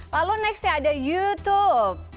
lalu nextnya ada youtube